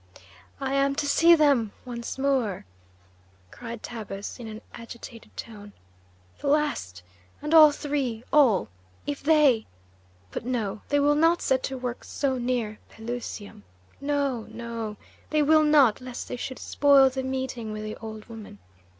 "I am to see them once more!" cried Tabus in an agitated tone. "The last and all three, all! If they But no; they will not set to work so near Pelusium. No, no! They will not, lest they should spoil the meeting with the old woman.